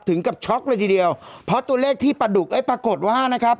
ถึงกับช็อกเลยทีเดียวเพราะตัวเลขที่ปลาดุกเอ้ยปรากฏว่านะครับ